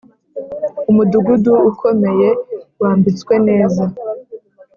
Umudugudu ukomeye wambitswe neza